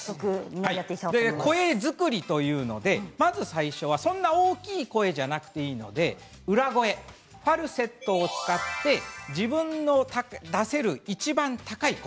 声作りということで最初、そんなに大きな声ではなくていいので裏声ファルセットを使って自分の出せるいちばん高い声